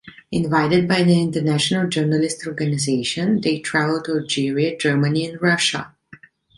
Invited by the International Journalists Organization, they travelled to Algeria, Germany and Russia.